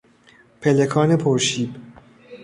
پلکان پرشیب